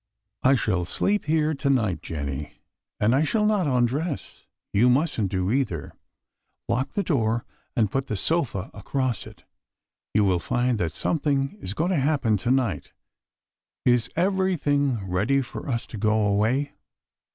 "I shall sleep here to night, Jenny, and I shall not undress. You mustn't do, either. Lock the door, and put the sofa across it. You will find that something is going to happen to night. Is everything ready for us to go away?"